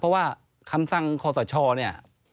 เพราะว่าคำสั่งคอสชเนี่ย